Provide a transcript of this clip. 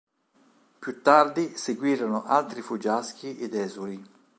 Più tardi seguirono altri fuggiaschi ed esuli.